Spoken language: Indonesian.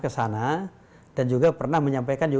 kesana dan juga pernah menyampaikan